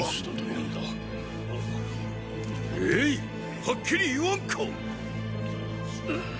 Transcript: ええいはっきり言わんか！